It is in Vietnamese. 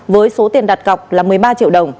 với số tiền đặt cọc là một mươi ba triệu đồng